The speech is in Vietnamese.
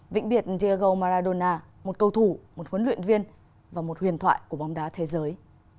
vĩnh biệt diego maradona một cầu thủ một huấn luyện viên và một huyền thoại của bóng đá thế giới